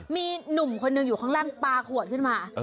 มีหนุ่มคนหนึ่งอยู่ข้างล่างปลาขวดขึ้นมา